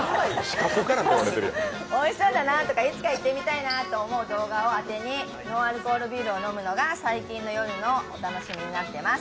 おいしそうだなとか、いつか行ってみたいなという動画をあてにノンアルコールビールを飲むのが最近の夜のお楽しみになってます。